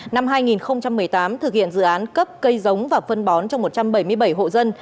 năm hai nghìn một mươi tám thực hiện dự án cấp cây giống và phân bón cho một trăm bảy mươi bảy hộ dân